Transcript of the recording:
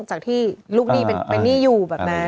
จากที่ลูกหนี้เป็นหนี้อยู่